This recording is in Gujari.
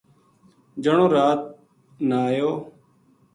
جنو رات نا اَیو